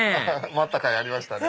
待ったかいありましたね。